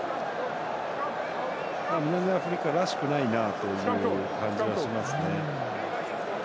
南アフリカらしくないなという感じはしますね。